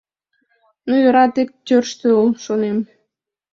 «Ну, йӧра, тек тӧрштыл, — шонем.